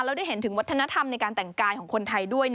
แล้วได้เห็นถึงวัฒนธรรมในการแต่งกายของคนไทยด้วย